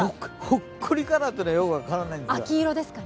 ほっこりカラーというのがよく分からないんですが。